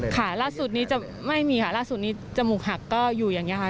ค่ะล่าสุดนี้จะไม่มีค่ะล่าสุดนี้จมูกหักก็อยู่อย่างนี้ค่ะ